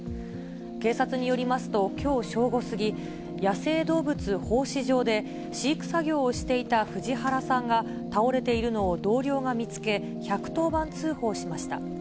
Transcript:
警察によりますと、きょう正午過ぎ、野生動物放飼場で飼育作業をしていた藤原さんが倒れているのを同僚が見つけ、１１０番通報しました。